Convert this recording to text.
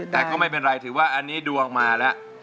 แต่ก็ไม่เป็นไรถือว่าอันนี้ดวงมาแล้ว